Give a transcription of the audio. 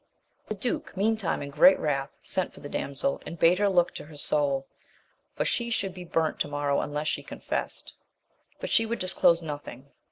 The duke meantime in great wrath sent for the damsel, and bade her look to her soul, for she should be burnt to morrow unless she confessed ; but she would disclose nothing.